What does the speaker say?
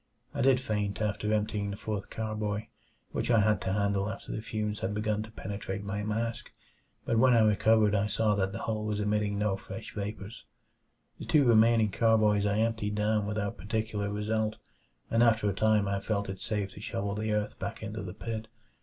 I did faint after emptying the fourth carboy, which I had to handle after the fumes had begun to penetrate my mask; but when I recovered I saw that the hole was emitting no fresh vapors. The two remaining carboys I emptied down without particular result, and after a time I felt it safe to shovel the earth back into the pit.